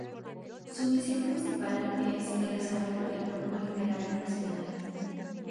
Su misión principal es el desarrollo del cuerpo literario nacional.